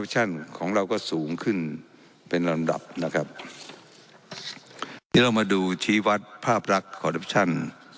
การของเราก็สูงขึ้นเป็นลำดับนะครับที่เรามาดูชีวัตรภาพลักษณ์